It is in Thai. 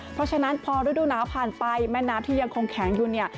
เพราะฉะนั้นพอฤดูหนาวผ่านไปแม่น้ำที่ยังคงแข็งอยู่เนี่ย